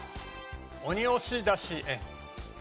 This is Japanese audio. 鬼押出し園。